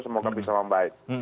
semoga bisa membaik